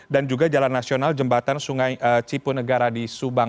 dan juga jalan nasional jembatan sungai cipu negara di subang